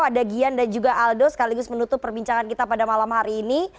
ada gian dan juga aldo sekaligus menutup perbincangan kita pada malam hari ini